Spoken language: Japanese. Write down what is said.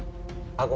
あご。